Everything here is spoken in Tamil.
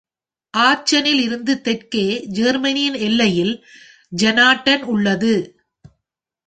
ஆச்சனில் இருந்து தெற்கே ஜெர்மனியின் எல்லையில் ஐனாட்டன் உள்ளது.